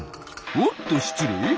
おっと失礼。